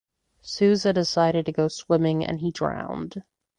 Souza decided to go swimming and he drowned.